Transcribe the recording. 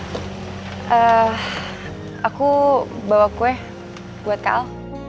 ehh aku bawa kue buat kak al